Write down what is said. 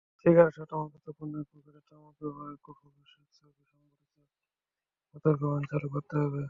সিগারেটসহ তামাকজাত পণ্যের প্যাকেটে তামাক ব্যবহারের কুফল–বিষয়ক ছবি–সংবলিত সতর্কবাণী চালু করতে হবে।